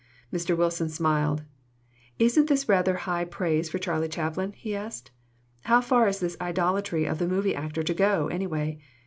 Mr. Wilson smiled. "Isn't this rather high praise for Charlie Chaplin?" he asked. "How far is this idolatry of the movie actor to go, anyway?